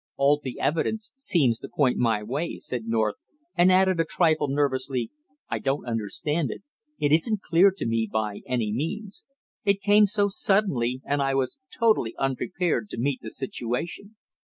"All the evidence seems to point my way," said North, and added a trifle nervously: "I don't understand it it isn't clear to me by any means! It came so suddenly, and I was totally unprepared to meet the situation.